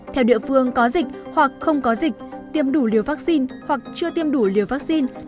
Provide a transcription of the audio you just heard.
theo địa phương có dịch hoặc không có dịch tiêm đủ liều vaccine hoặc chưa tiêm đủ liều vaccine